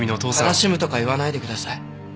悲しむとか言わないでください。